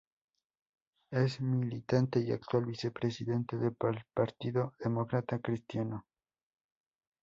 Es militante y actual vicepresidente del Partido Demócrata Cristiano.